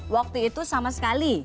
waktu itu sama sekali